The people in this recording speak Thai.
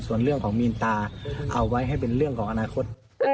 ส่วนเรื่องของมีนตาเอาไว้ให้เป็นเรื่องของอนาคต